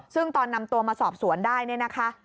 ซึ่งตอนนำตัวมาสอบสวนได้เนี่ยนะคะ